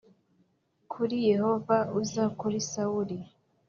kuri Yehova uza kuri Sawuli